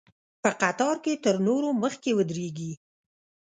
په قطار کې تر نورو مخکې ودرېږي.